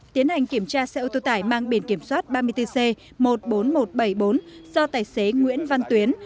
tiến hành kiểm tra xe ô tô tải mang biển kiểm soát ba mươi bốn c một mươi bốn nghìn một trăm bảy mươi bốn do tài xế nguyễn văn tuyến